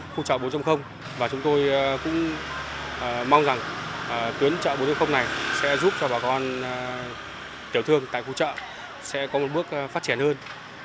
phụ trợ bốn và chúng tôi cũng mong rằng tuyến chợ bốn này sẽ giúp cho bà con tiểu thương tại phụ trợ sẽ có một bước phát triển hơn